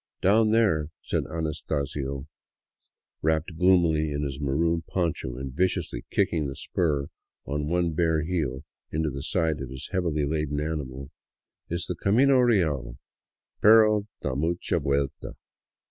" Down there," said Anastasio, wrapped gloomily in his maroon poncho and viciously kicking the spur on one bare heel into the side of his heavily laden animal, " is the camino real, pero da mucha vuelta."